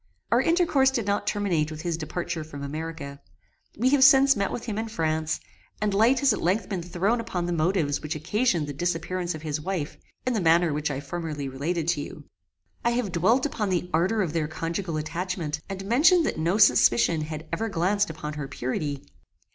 Our intercourse did not terminate with his departure from America. We have since met with him in France, and light has at length been thrown upon the motives which occasioned the disappearance of his wife, in the manner which I formerly related to you. I have dwelt upon the ardour of their conjugal attachment, and mentioned that no suspicion had ever glanced upon her purity.